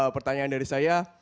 pertanyaan dari saya